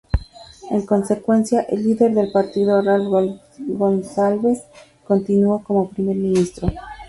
En consecuencia, el líder del partido Ralph Gonsalves continuó como Primer Ministro.